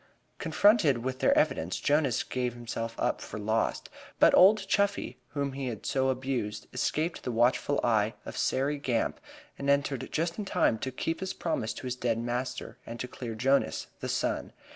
Confronted with their evidence Jonas gave himself up for lost, but old Chuffey, whom he had so abused, escaped the watchful eye of Sairey Gamp and entered just in time to keep his promise to his dead master and to clear Jonas, the son.